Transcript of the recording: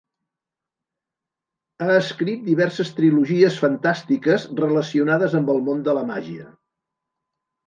Ha escrit diverses trilogies fantàstiques relacionades amb el món de la màgia.